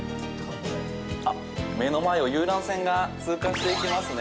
あっ、目の前を遊覧船が通過していきますね。